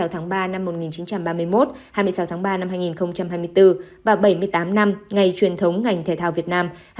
hai mươi sáu tháng ba năm một nghìn chín trăm ba mươi một hai mươi sáu tháng ba năm hai nghìn hai mươi bốn và bảy mươi tám năm ngày truyền thống ngành thể thao việt nam